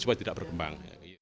supaya tidak berkembang